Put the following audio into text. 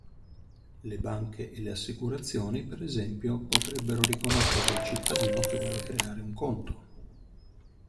Le banche e le assicurazioni, per esempio, potrebbero riconoscere il cittadino che vuole creare un conto.